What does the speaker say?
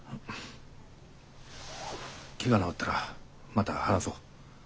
ケガ治ったらまた話そう。